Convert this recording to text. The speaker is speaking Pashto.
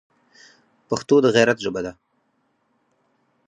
پښتو د غیرت ژبه ده